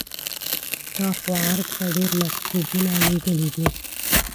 تا خو ارګ ته ډېر مکتوبونه لېږلي دي.